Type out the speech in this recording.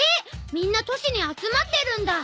みんな都市に集まってるんだ。